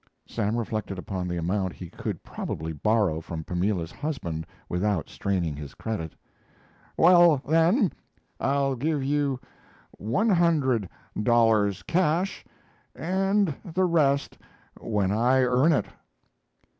Sam reflected upon the amount he could probably borrow from Pamela's husband without straining his credit. "Well, then, I'll give you one hundred dollars cash and the rest when I earn it."